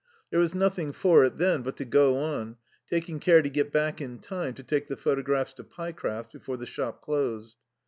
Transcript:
There was nothing for it then but to go on, taking care to get back in time to take the photographs to Pyecraft's before the shop closed.